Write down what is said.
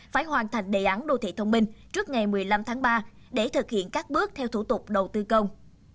phải hoàn thành đề án đô thị thông minh trước ngày một mươi năm tháng ba để thực hiện các bước theo thủ tục đầu tư công